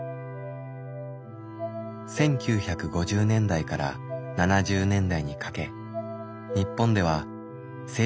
１９５０年代から７０年代にかけ日本では精神科病院が急増。